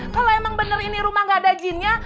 kalau emang bener ini rumah gak ada ginnya